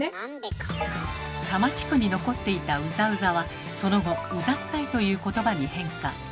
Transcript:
多摩地区に残っていた「うざうざ」はその後「うざったい」という言葉に変化。